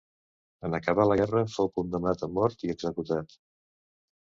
En acabar la guerra fou condemnat a mort i executat.